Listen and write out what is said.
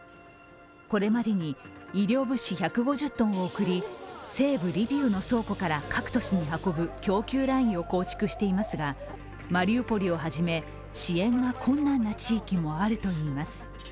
これまでに医療物資１５０ｔを送り西部リビウの倉庫から各都市に運ぶ供給ラインを構築していますがマリウポリをはじめ、支援が困難な地域もあるといいます。